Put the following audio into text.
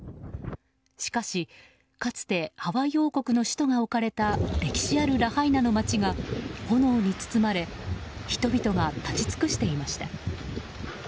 しかし、かつてハワイ王国の首都が置かれた歴史あるラハイナの街が炎に包まれ人々が立ち尽くしていました。